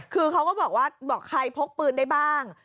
คือเขาก็บอกว่าบอกใครพกปืนได้บ้าง